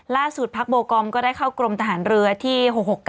ล่าสุดภักดิ์โบกรมก็ได้เข้ากลมทหารเรือที่๖๖๙